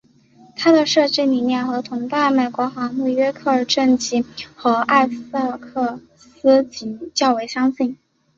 它们的设计理念跟同代的美国航母约克镇级和艾塞克斯级较为相近。